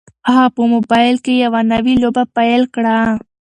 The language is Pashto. هغه په خپل موبایل کې یوه نوې لوبه پیل کړه.